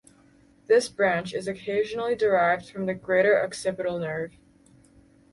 This branch is occasionally derived from the greater occipital nerve.